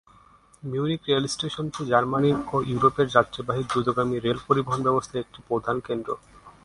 Munich রেলস্টেশনটি জার্মানির ও ইউরোপের যাত্রীবাহী দ্রুতগামী রেল-পরিবহন ব্যবস্থার একটি প্রধান কেন্দ্র।